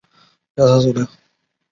他还为残障儿童设立了一所孤儿院。